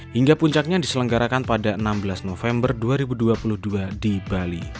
hingga puncaknya diselenggarakan pada enam belas november dua ribu dua puluh dua di bali